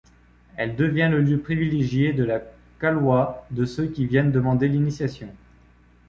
Elle devient le lieu privilégié de la Khalwa de ceux qui viennent demander l'initiation.